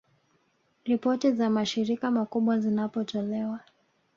Ripoti za mashirika makubwa zinapotolewa